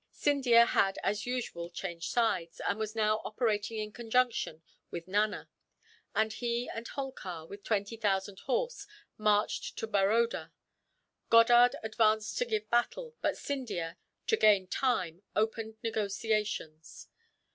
Scindia had as usual changed sides, and was now operating in conjunction with Nana; and he and Holkar, with twenty thousand horse, marched to Baroda. Goddard advanced to give battle; but Scindia, to gain time, opened negotiations.